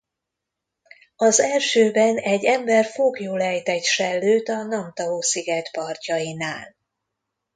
Az elsőben egy ember foglyul ejt egy sellőt a Namtao-sziget partjainál.